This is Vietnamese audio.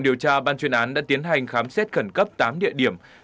điều tra ban chuyên án đã tiến hành khám xét khẩn cấp tám địa điểm